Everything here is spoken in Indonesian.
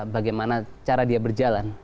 bagaimana cara dia berjalan